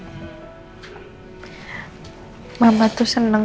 bidil akan mel gordon jenn caminho